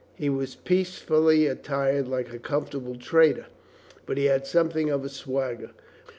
He was peacefully attired, like a comfortable trader, but he had something of a swagger.